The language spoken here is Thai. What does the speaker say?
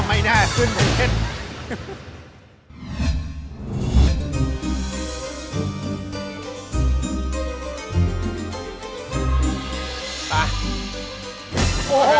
ก็ไม่น่าขึ้นเหมือนเท่าไหร่